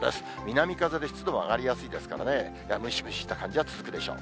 南風で湿度も上がりやすいですからね、ムシムシした感じは続くでしょう。